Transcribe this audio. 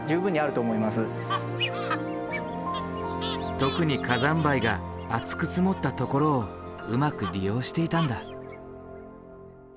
特に火山灰が厚く積もったところをうまく利用していたんだ。